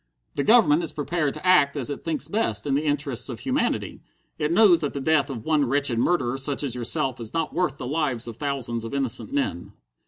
"The Government is prepared to act as it thinks best in the interests of humanity. It knows that the death of one wretched murderer such as yourself is not worth the lives of thousands of innocent men!"